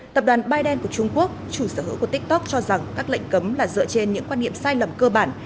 tập đoàn biden của trung quốc chủ sở hữu của tiktok cho rằng các lệnh cấm là dựa trên những quan niệm sai lầm cơ bản